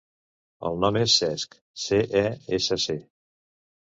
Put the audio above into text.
El nom és Cesc: ce, e, essa, ce.